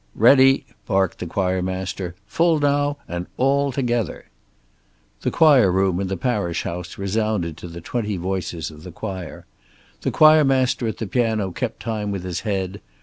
"Ready," barked the choir master. "Full now, and all together." The choir room in the parish house resounded to the twenty voices of the choir. The choir master at the piano kept time with his head.